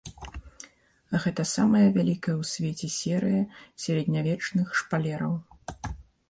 Гэта самая вялікая ў свеце серыя сярэднявечных шпалераў.